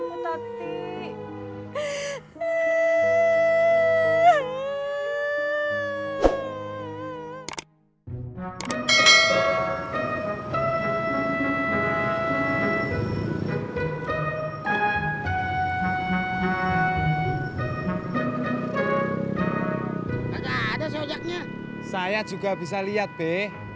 enggak ada sojaknya saya juga bisa lihat be